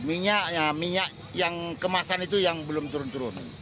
minyak minyak yang kemasan itu yang belum turun turun